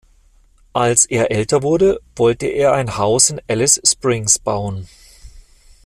Als er älter wurde, wollte er ein Haus in Alice Springs bauen.